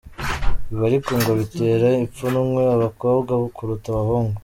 Ibi ariko ngo bitera ipfunwe abakobwa kuruta abahungu.